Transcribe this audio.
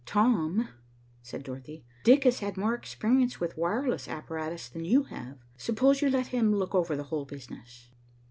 "Tom," said Dorothy, "Dick has had more experience with wireless apparatus than you have. Suppose you let him look over the whole business."